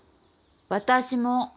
私も。